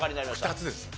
２つです。